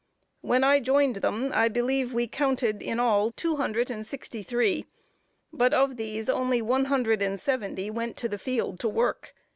When I joined them I believe we counted in all two hundred and sixty three; but of these only one hundred and seventy went to the field to work.